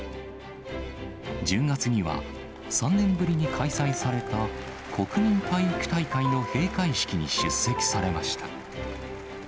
１０月には、３年ぶりに開催された、国民体育大会の閉会式に出席されました。